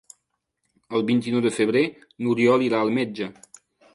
El vint-i-nou de febrer n'Oriol irà al metge.